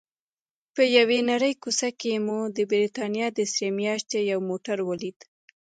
په یوې نرۍ کوڅه کې مو د بریتانیا د سرې میاشتې یو موټر ولید.